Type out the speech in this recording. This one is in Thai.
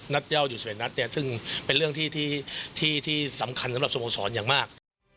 นัตส์เยาะอยู่๑๑นัตสุดหรือเป็นเรื่องที่สำคัญสำหรับสโมสรอย่างมาก